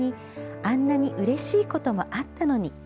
「あんなにうれしいこともあったのに」